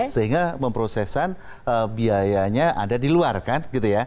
sehingga memprosesan biayanya ada di luar kan gitu ya